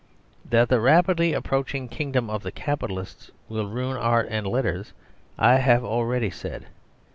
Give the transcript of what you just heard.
That the rapidly approaching kingdom of the Capitalists will ruin art and letters, I have already said.